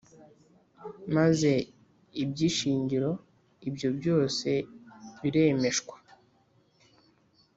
maze iby ishingiro ibyo byose biremeshwa